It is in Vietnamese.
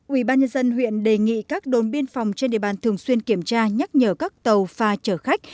ubnd huyện đề nghị các đồn biên phòng trên địa bàn thường xuyên kiểm tra nhắc nhở các tàu pha chở khách